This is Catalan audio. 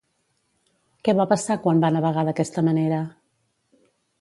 Què va passar quan va navegar d'aquesta manera?